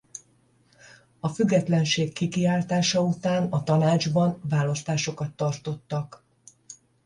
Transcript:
A függetlenség kikiáltása után a tanácsban választásokat tartottak.